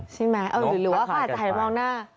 ใช่ไหมหรือว่าเขาอาจจะหายมองหน้า